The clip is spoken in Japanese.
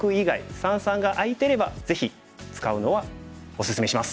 三々が空いてればぜひ使うのはおすすめします。